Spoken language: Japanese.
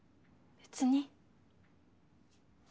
別に。